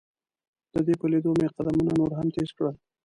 د دې په لیدو مې قدمونه نور هم تیز کړل.